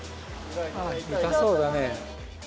痛そうだね。